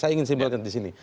saya ingin simbolkan disini